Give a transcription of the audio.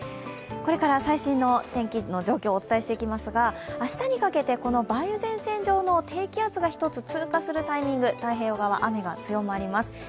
これから最新の天気の状況をお伝えしていきますが明日にかけて、梅雨前線上の低気圧が１つ通過するタイミング、太平洋側、雨が強まります。